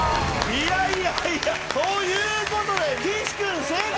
⁉いやいやいや！ということで岸君正解！